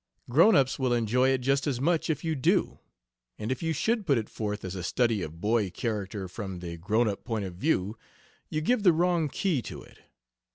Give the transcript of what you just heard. Grown ups will enjoy it just as much if you do; and if you should put it forth as a study of boy character from the grown up point of view, you give the wrong key to it....